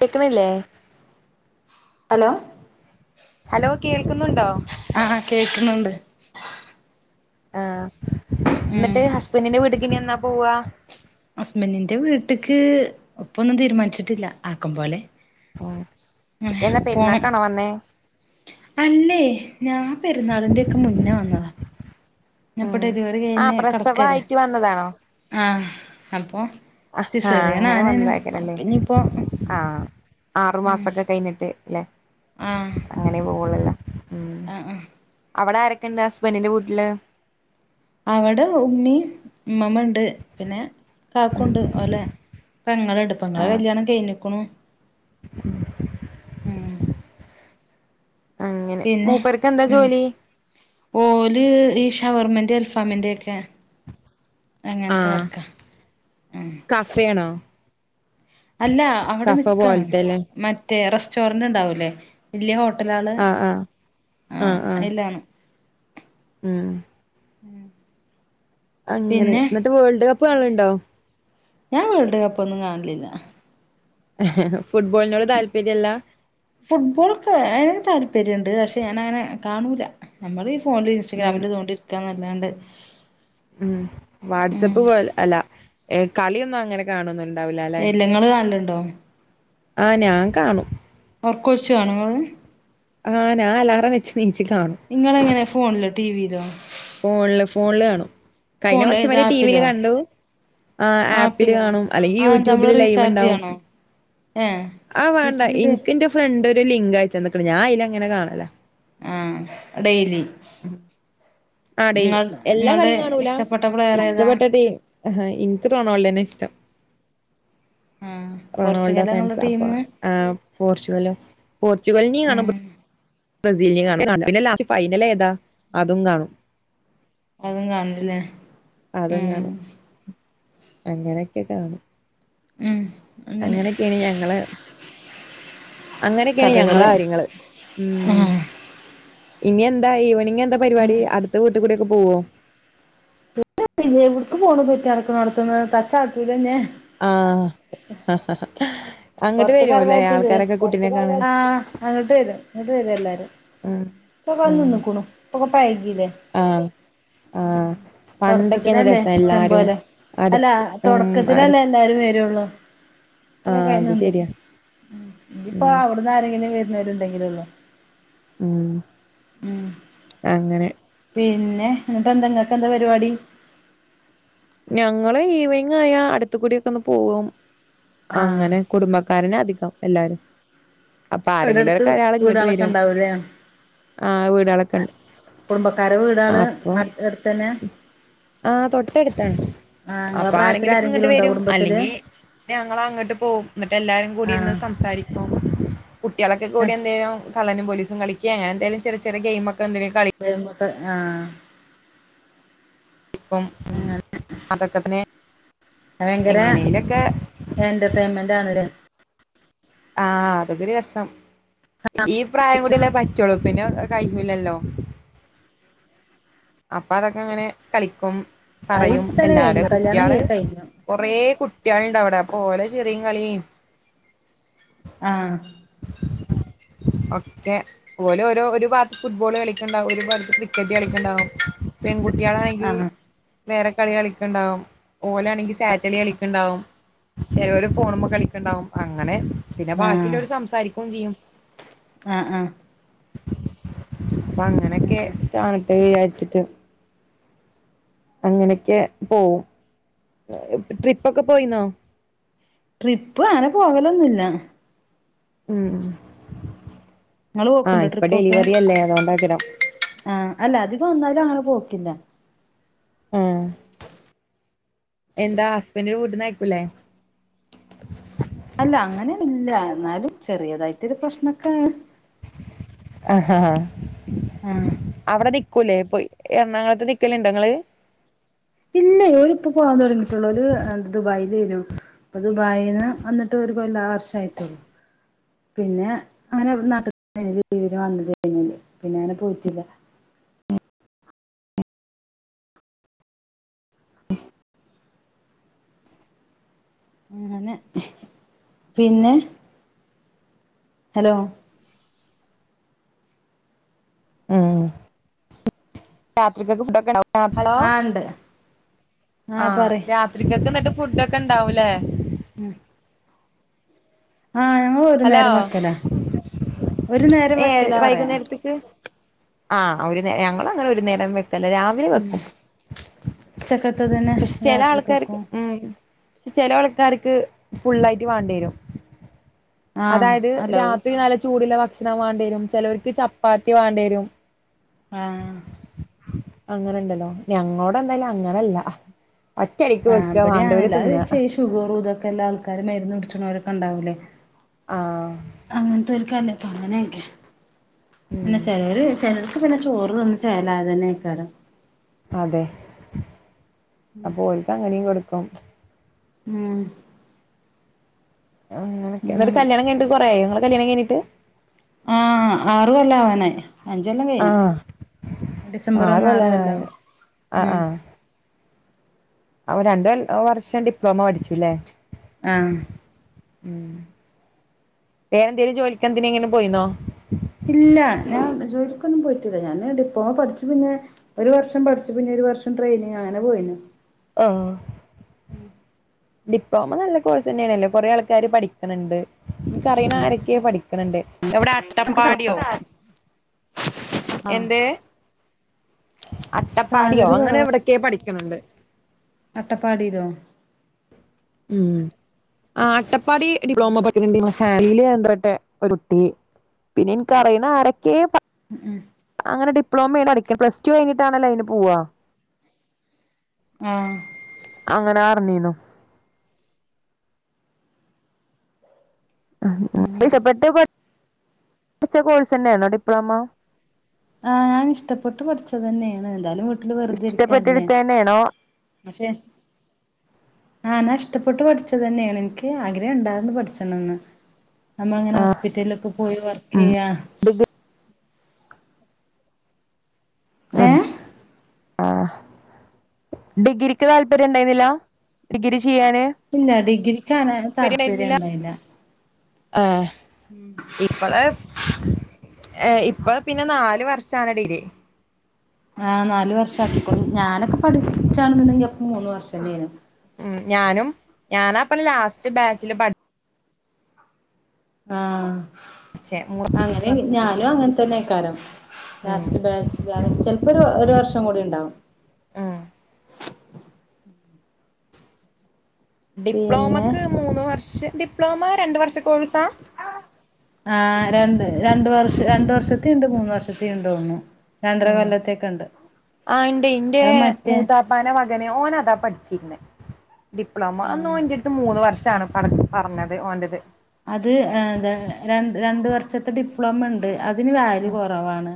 കെക്കണില്ലേ? Hello... hello കേൾക്കുന്നുണ്ടോ? ആഹ കേൾക്കുന്നുണ്ട്. ആഹ ഉം എന്നിട്ട് ഹസ്ബൻഡിന്റെ- വീടിക്ക് ഇനിന്നാ പോവാ? ഹസ്ബന്റിന്റെ വീട്ടക്ക് ഇപ്പൊന്നും തീരുമാനിച്ചിട്ടില്ല, ആക്കം പോലെ. ഉ അങ്ങനെ എന്നാ പോണം പെരുന്നാക്കാണോ വന്നേ? അല്ലേ? ഞാൻ പെരുന്നാളിന്റെ ഒക്കെ മുന്നേ വന്നതാ. പ്പോ ഉം ഡെലിവറി ആഹ് കയിന് കടക്കല്ലേ, പ്രസവായിട്ട് വന്നതാണോ ആഹ അപ്പോ. സി ആഹാ സെറിയാണ് അങ്ങനെ ആണ് വന്നതായിക്കാരല്ലേ അപ്പോ ഇനിയിപ്പോ - ആഹ് ആറു മാസൊക്കെ കഴിഞ്ഞിട്ട് അല്ലെ? ആഹാ... അങ്ങനെ പോവുള്ളലേ? ഉം, അവിടെ ആരൊക്കെ ഉണ്ട് ഹസ്ബന്ഡിന്റെ വീട്ടില്? അവിടെ ഉമ്മയും, ഉമ്മമ്മ ഉണ്ട് പിന്നെ ഉം കാക്കുണ്ട് ലെ, പെങ്ങളുണ്ട്, പങ്ങളെ കല്യാണം കഴഞ്ഞക്കണു. ഉം... പിന്നെ മൂപ്പർക്ക് എന്താ ഉം ജോലി ഓല് ഈ ഷവർമന്റെ, അൽഫാമിന്റെൊക്കെയ. അങ്ങനത്തെ വർക്ക. ആഹ.. സേണാ? അല്ല അവിടെ നിക്കണ്, പോലത്തെല്ലേ മറ്റേ റെസ്റ്റോറന്റ് ഉണ്ടാവൂല്ലേ? വല്യ ഹോട്ടലള് ആഹ് ആഹ് ആഹ ആഹ് ആഹ് അതില്ലാണ്. ഉം... ഉം.. അങ്ങനെ, എന്നിട്ട് വേൾഡ് കപ്പ് കാണലുണ്ടോ? ഞാൻ വേൾഡ് കപ്പ് ഒന്നും കാണില്ല. ഫുട്ബോളിനോട് താല്പര്യംല്ല? ഫുട്ബോളൊക്കെ അതിന് താല്പര്യമുണ്ട്, പക്ഷേ ഞാനങ്ങനെ കാണൂല്ല. നമ്മള് ഈ ഫോണില് ഉം ഇൻസ്റ്റാഗ്രാമില്തോണ്ടിരിക്കാ നല്ലാണ്ട്. ഉം വാട്സപ്പ് പോലെ, അല്ല കളിയൊന്നും അങ്ങനെ കാണൊന്നും ഇണ്ടാവൂല്ല അല്ലെ? ങ്ങള് കനാലുണ്ടോ? ആഹാ ഞാൻ കാണും. ഒറക്കൊഴിച് കാനോ ഇങ്ങള്? ആഹാ ഞാന് അലാറം വെച്ച് നീച്ച കാണും. നിങ്ങള എങ്ങനെ ഫോണിലോ, ടി വിയിലോ? ഫോണില്, ഫോണില് കാണും. കഴിഞ്ഞ ഫോണില് വർഷം ഏത് വരെ ടിവിൽ ആപ്പിലോ കണ്ടു. ആഹാ ആഹ് ആപ്പില് പിന്നെ കാണും, അല്ലെങ്കിൽ യൂട്യൂബില് ലൈവ് ഉണ്ടാവും. ഹേ... ആഹ് വേണ്ട എനിക്ക് എന്റെ ഫ്രണ്ട് ഒരു ലിങ്ക് അയച്ചന്നക്ക ഞാന അയ്ല ങ്ങനെ കാണല ആഹ് ഡെയ്ലി ആടി എല്ലാ നിങ്ങളുടെ കളിയും കാണൂല ഇഷ്ടപ്പെട്ട പ്ലെയർ ഏതാ ഇഷ്ടപ്പെട്ട ടീം ആഹ് എനിക്ക് റൊണാൾഡോനെ ഇഷ്ടം ആഹ് റൊണാൾഡോ പോർച്ചുഗലാ ഫാൻസ നിങ്ങളുടെ ടീം ആഹ് പോർച്ചുഗല്ല് പോർച്ചുഗല്നീ കാണ ഉം [unintelligible] ബ്രസീലിനി കാണ പിന്നെ അല്ല ഫൈനല ഏതാ അതും കാണും അതും കാണല്ണ്ട്ല്ലേ അതും ഉം കാണും അങ്ങനെയൊക്കെ കാണും ഉം അങ്ങനെ അങ്ങനൊക്കെയാണ് ഞങ്ങളെ അങ്ങനൊക്കെയാണ് കഥകള് ഞങ്ങളെ കാര്യങ്ങള്ൾ ഉം ആഹ് ഇനി എന്താ ഈവണിങ് എന്താ പരിപാടി അടുത്ത വീട്ട് കൂടി ഒക്കെ പോവോ എവിട്ക്ക് പോണു പെറ്റട്ക്ക് നോട്ത്ത്ന്ന് തച്ചാട്ടുലെന്നെ ആഹ് അങ്ങട്ട് പൊറത്ത്ക്ക് എറങ്ങാൻ വരുല്ലേ പറ്റൂലേ ആൾക്കാരൊക്കെ കുട്ടിനെ കാണാന് ആഹ് ഇങ്ങട്ട് വെരും ഇങ്ങട്ട് വെരും എല്ലാരും ഉം ഇപ്പ വന്ന് ഉം നിന്നുക്ക്ണു ഇപ്പൾ പഴെകില്ലേ ആഹ് ആഹ് പണ്ടൊക്കെയന്ന തൊടക്കത്തിലല്ലേ രസം ഇഷ്ടം എല്ലാരും പോലെ അല്ല അടുത്ത് ഉം അടു തൊടക്കത്തിലല്ലേ എല്ലാരും വരുള്ളൂ [unintelligible] ആഹ് അത് ശരിയാ ഇനിയിപ്പോ ഉം അവിട്ന്ന് ആരെങ്കിലും വരുന്നവരുണ്ടെങ്കിലെള്ളോ ഉം അങ്ങനെ പിന്നെ എന്നിട്ട് എന്തെങ്ങക്ക എന്താ പരിപാടി ഞങ്ങള് ഈവനിങ് ആയാ അട്ത്തു കൂടിയൊക്കെ ഒന്ന് പോകും ആഹ് അങ്ങനെ കുടുംബക്കാരനാ അധികം എല്ലാരും അപ്പൊ ഇവിടെ അടുത്ത് ആരെങ്കിലുംക്കരാൾ ഇങ്ങട്ട് വീടാളൊക്കെ വെരും ഉണ്ടാവൂലേ ആഹ് വീടാളൊക്കെണ്ട് കുടുംബക്കാരെ വീടാള് അപ്പൊ അടുത്തന്നെ ആഹ് തൊട്ടഎട്ത്താണ് ആഹ് ഇങ്ങളെ അപ്പൊ പ്രായത്തില് ആരെങ്കിലൊക്കെ ആരെങ്കിലും ഇങ്ങട്ട് ഉണ്ടോ വെരും കുടുംബത്തില് അല്ലെങ്കി ഞങ്ങളങ്ങട്ട് പോകും ഇങ്ങട്ട് എല്ലാരും കൂടി ഇന്ന് ആഹ് സംസാരിക്കും കുട്ടിയാളൊക്കെ കൂടി എന്തേലും കള്ളനും പോലീസും കളിക്കെ അങ്ങനെന്തിലും ചെറിയ ചെറിയ ഗൈയ്മെന്തേലും കളി [unintelligible] ആഹ് ക്കും അതൊക്കത്തന്നേ ഭയ്ങ്കര എന്റർടൈൻമെന്റ് ആണ് ലെ ആഹ് അതൊക്കെരു രസം ഈ പ്രായം കൂടിയല്ലേ പറ്റുളൂ പിന്നെ കഴിയൂല്ലല്ലോ അപ്പൊ അതൊക്കെ അങ്ങനെ കളിക്കും ആഹ് പറയും ഇപ്പ തന്നെ എല്ലാരും കഴിഞ്ഞു കല്യാണം കുട്ടിയാള് കഴിഞ്ഞു കൊറേകുട്ടിയാള്ണ്ട് അവിടെ അപ്പോ ഓലെ ചിറിം കളീം ആഹ് ഒക്കെ ഓല് ഒരു ഒരു ഭാഗത്ത് ഫുട്ബോള് കളിക്ക്ണ്ടാവും ഒരു ഭാഗത്ത് ക്രിക്കറ്റ് കളിക്ക്ണ്ടാവും പെൺകുട്ടിയാളാണെങ്കി ആഹ് വേറെ കളി കളിക്ക്ണ്ടാവും ഓലാണെങ്കിൽ സാറ്റലി കളിക്ക്ണ്ടാവും ചെലോര് ഫോണുമ്മ കളിക്ക്ണ്ടാവും അങ്ങനെ പിന്നെ ആഹ് ബാക്കിയില്ലോര് സംസാരിക്കുംചെയ്യും ആഹ് ആഹ് അപ്പൊ അങ്ങനെയൊക്കെ അങ്ങനെ കാണട്ടെ വിചാരിച്ചിട്ട് അങ്ങനെയൊക്കെ പോവും ട്രിപ്പൊക്കെ പോയിനോ ട്രിപ്പ് അങ്ങനെ പോകലൊന്നുല്ല ഉം ഇങ്ങള് ആഹ് പോക്ക്ണ്ടോ ഇപ്പൊ ട്രിപ്പൊക്കെ ഡെലിവറി അല്ലേ അതോണ്ടാകാരം ആഹ് അല്ല അധികും അങ്ങനെ പോക്കില്ല ആഹ് എന്താ ഹസ്ബൻഡ്ന്റെ വീട്ട്ന്ന് അയ്ക്കൂല്ലേ അല്ല അങ്ങനെ ഇല്ല എന്നാലും ചെറിയതായിട്ടരു പ്രശ്നൊക്കെ ആഹ് ആഹ് ആഹ് അവടെ നിക്കൂല്ലേ പോയ് എറണാകുളത്തപ നിക്കല്ണ്ടോങ്ങള് ഇല്ല ഒര് ഇപ്പ പോവാൻ തുടങ്ങിട്ടുള്ള ഒരു ദുബായിലേനു അത് ദുബായിൽ നിന്ന് വന്നിട്ട് ഒരു കോല്ലം വർഷയിട്ടുള്ളു പിന്നെ അങ്ങനെ നട്ടി ലിവിന് വന്നിട്ട് കഴിഞ്ഞില്ല പിന്നെ അങ്ങനെ പോയിട്ടില്ല അങ്ങനെ പിന്നെ ഹലോ ഉം രാത്രിക്കത്തേക്ക് ഫുഡ് ഒക്കെ ഉണ്ടോ ആഹ് ഉണ്ട് ആഹ് രാത്രിക്കൊക്കെ എന്നിട്ട് ഫുഡ് ഒക്കെ ഉണ്ടാവും ല്ലേ ഉം ആഹ് ഞങ്ങൾ ഒരു ഹലോ നേരം വെക്കല ഒരു നേരം ഏഹ് വെക്കലാ പറയാ വൈകുന്നേരത്തേക്ക് ആഹ് ഒരു ഞങ്ങൾ അങ്ങനെ ഒരു നേരം വ ഉം ചക്ക പക്ഷെ ചില ആൾക്കാര്ക്ക് ഉം ചില ആൾക്കാർക്ക് ഫുള്ളായിട്ട് വേണ്ടി വരും ആഹ് അതായത് അല്ല രാത്രി നല്ല ചൂടുള്ള ഭക്ഷണം വേണ്ടി വരും ചിലവർക്ക് ചപ്പാത്തി വേണ്ടി വരും ആഹ് അങ്ങനെണ്ടല്ലോ ഞങ്ങോടെ എന്തായാലും അങ്ങനല്ല ഒറ്റടിക്ക് ആഹ് വെക്ക ഇബടി മാണ്ടവര് അങ്ങനല്ല അത് തിന്ന ചെ ഷുഗറും ഇതൊക്കെ എല്ലാ ആൾക്കാരും മരുന്ന് കുടിച്ചണവരൊക്കെ ഉണ്ടാവൂലേ ആഹ് അങ്ങനത്തെ അങ്ങനെയൊക്കെ പിന്നെ ഉം ചിലവര് ചില പിന്നെ ചോറ് തിന്ന് ചേലായതന്നെ ആക്കാര അതെ അപ്പൊ ഒരിക്ക അങ്ങനെയും കൊടുക്കും ഉം ആഹ് എന്നിട്ട അങ്ങനെ കല്യാണം കിഴിഞ്ഞിട്ട് കുറയായോ നിങ്ങള് കല്യാണം കഴിഞ്ഞിട്ട് ആഹ് ആറു കോല്ലം ആവാനായി അഞ്ച് കോല്ലാം കഴിഞ്ഞു ആഹ് ഡിസംബർ ആറ് ഒന്ന് ആറു കോല്ലം കൊല്ലാനായി ഉം അവ രണ്ട വർഷം ഡിപ്ലോമ പഠിച്ചുല്ലേ ആഹ് ഉം വേറെന്തെലും ജോലിക്ക എന്തിനെലും പോയിന്നോ ഇല്ല ഞാൻ ജോലിക്കൊന്നും പോയിട്ടില്ല ഞാന് ഡിപ്ലോമ പഠിച്ചു പിന്നെ ഒരു വർഷം പഠിച്ചു പിന്നെ ഒരു വർഷം ട്രെയിനിങ് അങ്ങനെ പോയി ആഹ് ഡിപ്ലോമ നല്ല കോഴ്സ് തന്നെയണല്ലേ കുറെ ആൾക്കാര് പഠിക്കണണ്ട് എനിക്കറിയണ ആരൊക്കയോ പഠിക്കണണ്ട് എവിടെ അട്ടപ്പാടിയോ ആഹ് എന്ത് അട്ടപ്പാടിയോ സാലറി അങ്ങനെ എവിടയൊക്കെയോ പഠിക്കണണ്ട് അട്ടപ്പാടിലോ ഉം ആഹ് അട്ടപ്പാടി ഡിപ്ലോമ [unintelligible] ഹാലല് എന്ത്രട്ടെ ഒരുട്ടി പിന്നെ എനിക്കറിയണ ആരൊക്കെ ഉം ഉം അങ്ങനെ ഡിപ്ലോമയാണ് പടിക്കണെ പ്ലസ് ടു കഴിഞ്ഞിട്ടാണല്ലോ അയിന് പോവ ആഹ് അങ്ങനെ അറിഞ്ഞീന്നു ഉം ഇഷപ്പെട്ട് കോഴ്സ് തന്നെയണോ ഡിപ്ലോമ ആഹ് ഞാൻ ഇഷ്ടപ്പെട്ട് പഠിച്ചത് തന്നെയാണ് എന്തായാലും വീട്ടില് വെറുതെ ഇരിക്കല്ലേ ഇഷ്ടപ്പെട്ടെടുത്ത തന്നെയാണോ പക്ഷെ ആഹ് ഞാൻ ഇഷ്ടപ്പെട്ട് പഠിച്ചത് തന്നെയാണ് എനിക്ക് ആഗ്രഹം ഉണ്ടായിന്ന് പഠിച്ചണം എന്ന് നമ്മൾ ഇങ്ങനെ ആ ഹോസ്പിറ്റലിലൊക്കെ പോയി വർക്ക് ഉം ചെയ്യാ ഡിഗ്രി ആഹ് ഏഹ് ആഹ ഡിഗ്രിക്ക് താല്പര്യം ഉണ്ടായിന്നില്ല ഡിഗ്രി ചെയ്യാന് ഇല്ല ഡിഗ്രക്കണ് താല്പര്യം ഉണ്ടായില്ല ആഹ് ഉം ഇപ്പള് ഏ ഇപ്പ പിന്നെ നാല് വർഷണ ഡിഗ്രി ആ നാല് വർഷമാക്കിക്കോളും ഞാനൊക്കെ പഠിച്ചാണ്ണ്ടെങ്കപ്പ മൂന്ന് വർഷത്തെനും ഉ ഞാനും ഞാനാപ്പ ലാസ്റ്റ് ബാച്ചില് പഠി ആഹ പഠിച്ചേ അങ്ങനെ ഞാനും അങ്ങനെ തന്നെ ആക്കാരം ഉം ലാസ്റ്റ് ബ ചിലപ്പോ ഒരു ഒരു വർഷം കൂടി ഉണ്ടാവും ഉം പിന്നെ ഡിപ്ലോമക്ക് മൂന്ന് വർഷം ഡിപ്ലോമ രണ്ട വർഷ കോഴ്സാ ആഹ് രണ്ട് രണ്ടു വർഷ രണ്ടു വർഷത്തെ ഉണ്ട് മൂന്ന് വർഷത്ത ഉണ്ടെന്നു തോന്നണു. രണ്ടര ഉം കൊല്ലത്തേയൊക്കേണ്ട്. അത് മറ്റേ പ്പന മകന് ഓന് അതാ പഠിച്ചിരുന്നേ. ഡിപ്ലോമ. അന്ന് ഓൻ ആഹ് എൻ്റെടുത്ത് മൂന്ന് വർഷാണ് പറ പറഞ്ഞത് ഓൻ്റെ ഇത് അത് ആഹ് എന്താ രണ്ട് രണ്ട് വർഷത്തെ ഡിപ്ലോമ ഉണ്ട് അതിന് വാല്യൂ കുറവാണ്.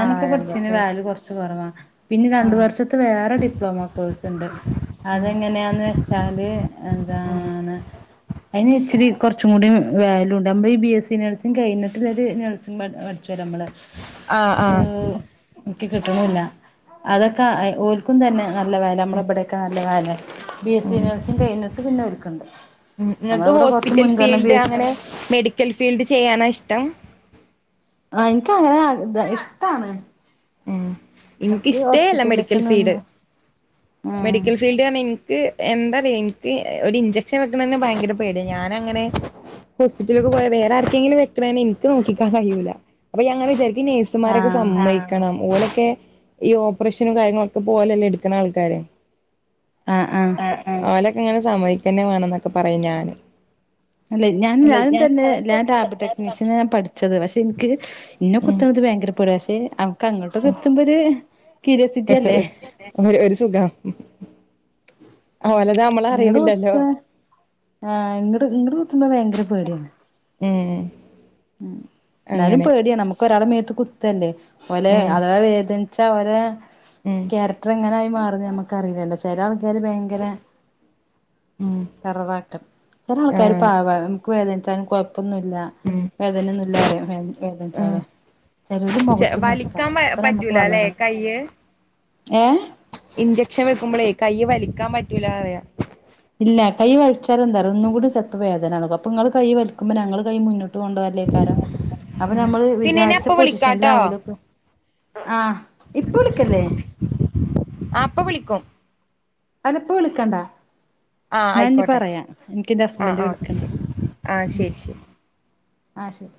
ആ രണ്ട് പഠിച്ചേന് വർഷം വാല്യൂ കുറച്ച് കുറവാ പിന്നെ രണ്ടു ആഹ് വർഷത്തെ വേറെ ഡിപ്ലോമ കോഴ്സ് ഉണ്ട്. ഉം അതെങ്ങനെയാന്ന് വെച്ചാല് ഉം എന്താണ് അതിന് ഇച്ചിരി കുറച്ചും കൂടി വാല്യു ഉണ്ട് നമ്മൾ ഈ ബി എസ് സി നേഴ്സിംഗ് കഴിഞ്ഞിട്ടൽ ഒരു നേഴ്സിങ് പഠിച്ചു വരാം നമ്മൾ ആഹ് ആഹ് ഏഹ് എനിക്ക് കിട്ടണൂല്ല. അതൊക്കെ ഓൽ ക്കും തന്നെ നല്ല വെല നമ്മളെ ഇവിടെയൊക്കെ നല്ല വെലെ ബി എസ് സി ഉം നഴ്സിങ്ങ് കഴിഞ്ഞിട്ട് പിന്നെ ഓല്ക്ക്ണ്ട്. ഉം നമ്മടെ ഇങ്ങക്ക് ഇവിടെ കുറച്ച് ഹോസ്പിറ്റൽ മുൻഗണന ബി ഫീൽഡ് എസ് അങ്ങനെ മെഡിക്കൽ ഫീൽഡ് ചെയ്യാനാ ഇഷ്ടം. ആഹ് എനിക്കങ്ങനെ അതാ ഇഷ്ടാണ്. എനിക്ക് നമുക്ക് ഇഷ്ടേയല്ല ഹോസ്പിറ്റലിലൊക്കെ മെഡിക്കൽ ഫീൽഡ് നിന്ന് ആഹ് മെഡിക്കൽ ഫീൽ എനിക്ക് എന്താറിയോ എനിക്ക് ഒരു ഇഞ്ചെക്ഷൻ വെക്കണത് തന്നെ ഭയങ്കര പേടിയാ ഞാനങ്ങനെ ഹോസ്പിറ്റലേക്ക് പോയാ വേറെ ആർക്കെങ്കിലും വെക്കണ തന്നെ എനിക്ക് നോക്കി നിക്കാൻ കഴിയൂല്ല. അപ്പെ ഞാനിങ്ങനെ വിചാരിക്കും ഈ നേഴ്സ് സുമാരൊക്കെ ആഹ് സമ്മതിക്കണം. ഓലൊക്കെ ഈ ഓപ്പറേഷനും കാര്യങ്ങളൊക്കെ പോലല്ലേ എടുക്കണെ ആൾക്കാരെ ആഹ് ആഹ് ഓലൊക്കെ ഇങ്ങനെ സമ്മതിക്കതന്നെ വേണം എന്നൊക്കെ പറയും ഞാനും അല്ല ഞാൻ ഞാനും തന്നെ ഞാൻ ലാബടെക്നീഷ്യനാ ഞാൻ പഠിച്ചത് പക്ഷെ എനിക്ക് എന്നെ ഉം കുത്തണത് ഭയങ്കര പേടിയ പക്ഷെ അവർക്ക് അങ്ങോട്ടു കുത്തുമ്പോ ഒരു ക്യൂരിയോസിറ്റി അല്ലേ ഒര് ഒരു സുഖം അതുപോലെ നമ്മ ഇങ്ങട് കുത്താ ആഹ് ഇങ്ങട് ഇങ്ങട് കുത്തുമ്പോ ഭയങ്കര പേടിയാണ്. ഉം ഉം എന്നാലും അങ്ങനെ പേടിയാണ് നമുക്ക് ഒരാളുടെ മേത്ത് കുത്തല്ലേ ഓലെ ഉം അതള വേദൻ ച്ചവരെ ഉം ക്യാരക്ടർ എങ്ങനെയായി മാറൂന്ന് നമുക്കറിയില്ലല്ലോ. ചെല ആൾക്കാര് ഭയങ്കര ഉം ടെററാട്ടും ചെല ആൾക്കാര് ആഹ് പാവാ ക്ക് വേദനിച്ചാലും കുഴപ്പൊന്നൂല്ല. ഉം വേദനയൊന്നൂല്ല പറയും വേ ആഹ് വേദനിച്ചാലും ചെലൊരു ചെ മുഖത്ത് നോക്കി വലിക്കാൻ പറയും പ അപ്പ നമുക്ക് പറ്റൂല വെള്ളം അല്ലെ കാണ് ഏഹ് ഇഞ്ചെക്ഷൻ വെക്കുമ്പോളേ കൈ വലിക്കാൻ പറ്റൂല പറയാ ഇല്ല കൈ വലിച്ചാ എന്താ അറിയോ? ഒന്നും കൂടി ചെലപ്പോ വേദന എടുക്കും. അപ്പൊ നിങ്ങൾ കൈ വലിക്കുമ്പോ ഞങ്ങൾ കൈ മുന്നോട്ട് കൊണ്ടുവ ലേക്കാരം അപ്പൊ നമ്മള് പിന്നെ ന്നെ വിചാരിച്ച അപ്പ വിളിക്കാട്ടോ പൊസിഷനിലാവൂല ഇപ്പെ ആഹ് ഇപ്പ വിളിക്കല്ലേ. ആഹ് ഇപ്പൊ വിളിക്കും. അല്ല ഇപ്പോ വിളിക്കണ്ടാ. ആ ഞാൻ ഇനി ആയിക്കോട്ടെ പറയാ. എനിക്കൻ്റെ ആ ഹസ്ബൻഡ് ആ ഓക്കെ വിളിക്കണ്ട്. ശരി ആ ഉം ശരി ശരി ആഹ് ശരി.